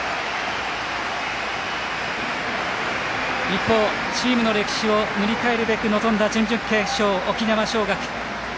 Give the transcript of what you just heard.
一方、チームの歴史を塗り替えるべく臨んだ準々決勝沖縄尚学。